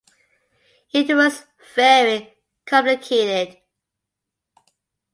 It was very complicated.